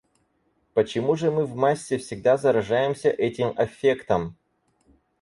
Почему же мы в массе всегда заражаемся этим аффектом?